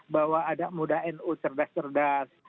bahwa anak muda nu cerdas cerdas